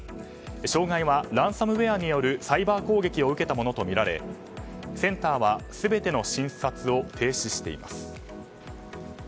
障害は、ランサムウェアによるサイバー攻撃を受けたものとみられセンターは全ての診察を停止しています。